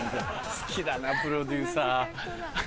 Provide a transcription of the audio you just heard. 好きだなプロデューサー。